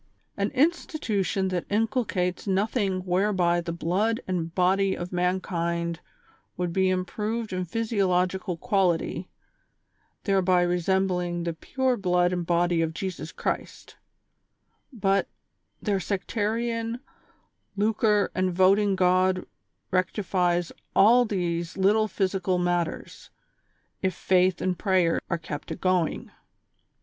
Ji'\ institution that inculcates nothing whereby the blood and body of mankind would be improved in physiological quality, thereby reseml)ling tlie pure blood and body of Jesus Christ ; but, their sectarian, lucre and voting god rectifies all these little physical matters, if faith and prayer are kept agoing.